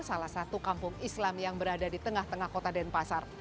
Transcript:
salah satu kampung islam yang berada di tengah tengah kota denpasar